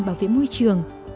bảo vệ môi trường